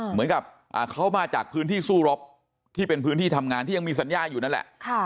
เหมือนกับเขามาจากพื้นที่สู้รบที่เป็นพื้นที่ทำงานที่ยังมีสัญญาอยู่นั่นแหละ